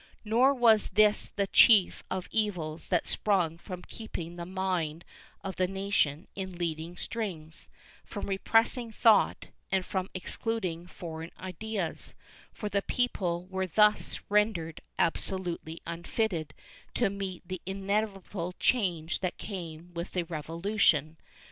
Nor was this the chief of the evils that sprung from keeping the mind of the nation in leading strings, from repressing thought and from excluding foreign ideas, for the people were thus rendered abso lutely unfitted to meet the inevitable change that came with the Revolution.